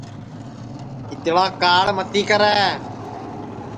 اِترا کاݪ متی کرے